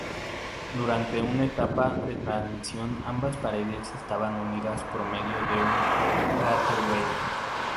Durante una etapa de transición ambas redes estaban unidas por medio de un "Gateway".